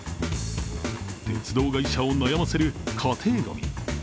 鉄道会社を悩ませる家庭ごみ。